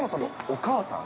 お母さん？